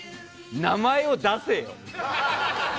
名前を出せよ。